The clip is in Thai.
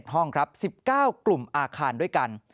ห้องครับ๑๙กลุ่มอาคารด้วยกัน